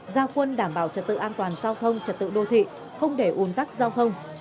giao quân đảm bảo trật tự an toàn giao thông trật tự đô thị không để ủn tắc giao thông